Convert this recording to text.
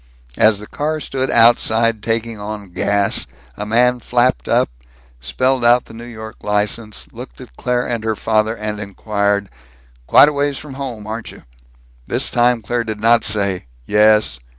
As the car stood outside taking on gas, a man flapped up, spelled out the New York license, looked at Claire and her father, and inquired, "Quite a ways from home, aren't you?" This time Claire did not say "Yes!"